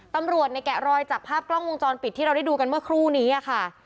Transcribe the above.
ตำรวจเนี่ยแกะรอยจากภาพกล้องวงจรปิดที่เราได้ดูกันเมื่อครู่นี้ค่ะ